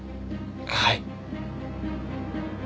はい。